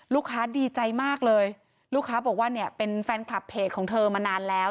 ดีใจมากเลยลูกค้าบอกว่าเนี่ยเป็นแฟนคลับเพจของเธอมานานแล้ว